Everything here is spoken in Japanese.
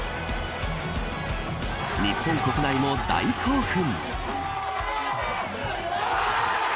日本国内も大興奮。